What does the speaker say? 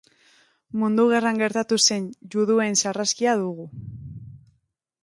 Mundu Gerran gertatu zen juduen sarraskia dugu.